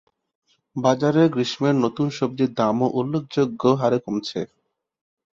বাজারে গ্রীষ্মের নতুন সবজির দামও উল্লেখযোগ্য হারে কমেছে।